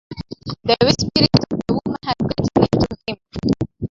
The weak spirit of the woman had gotten into him.